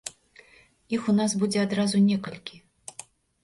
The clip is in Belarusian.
Іх у нас будзе адразу некалькі.